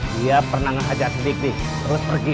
dia pernah ngehajar sedikit terus pergi